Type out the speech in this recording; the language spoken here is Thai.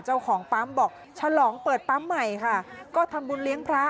เจ้าของปั๊มบอกฉลองเปิดปั๊มใหม่ค่ะก็ทำบุญเลี้ยงพระ